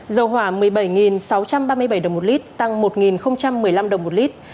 dầu hỏa một mươi bảy sáu trăm ba mươi bảy đồng một lít tăng một một mươi năm đồng một lít